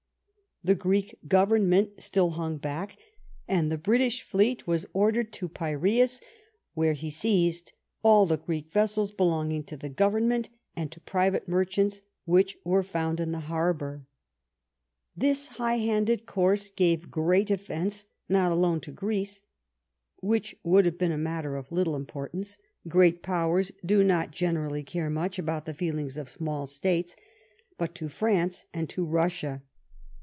The Greek Government still hung back, and the British fleet was ordered to Piraeus, where he seized all the Greek vessels belonging to the Government and to private mer chants which were found in the harbor. This high handed course gave great offence, not alone to Greece — which would have been a matter of little importance — great powers do not generally care much about the feelings of small States — but to France and to Russia.